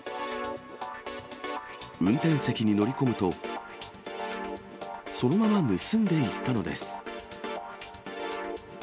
運転席に乗り込むと、そのまま盗んでいったのです。